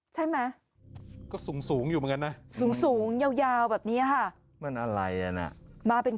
ใช่ไหมก็สูงสูงอยู่เหมือนกันนะสูงสูงยาวแบบนี้ค่ะมันอะไรอ่ะน่ะมาเป็น